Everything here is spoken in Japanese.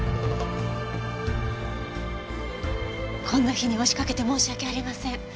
こんな日に押しかけて申し訳ありません。